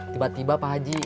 tiba tiba pak haji